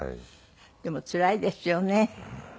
でもつらいですよね。